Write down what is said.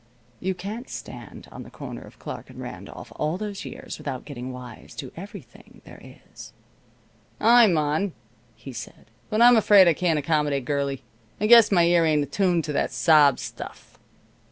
You can't stand on the corner of Clark and Randolph all those years without getting wise to everything there is. "I'm on," said he, "but I'm afraid I can't accommodate, girlie. I guess my ear ain't attuned to that sob stuff.